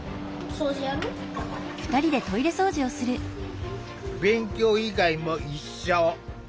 勉強以外も一緒。